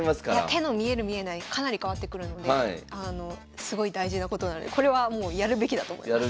手の見える見えないかなり変わってくるのですごい大事なことなのでこれはもうやるべきだと思います。